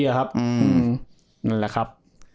นั่นแหละครับ